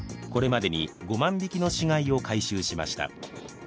これまでに５万匹の死骸を回収しました。